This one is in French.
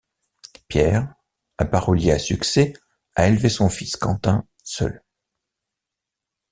Pierre, un parolier à succès, a élevé son fils, Quentin, seul.